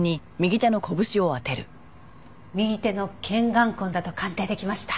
右手の拳眼痕だと鑑定できました。